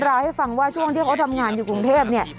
เล่าให้ฟังว่าช่วงที่เขาทำงานอยู่กรุงเทพเนี่ย